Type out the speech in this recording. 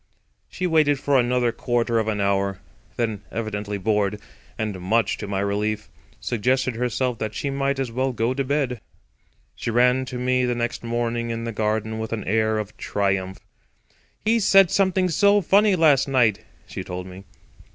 She waited for another quarter of an hour. Then, evidently bored, and much to my relief, suggested herself that she might as well go to bed. She ran to me the next morning in the garden with an air of triumph. "He said something so funny last night," she told me.